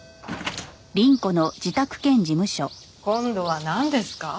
今度はなんですか？